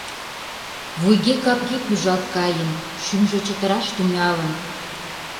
Вуйге-капге пӱжалт каен, шӱмжӧ чытыраш тӱҥалын.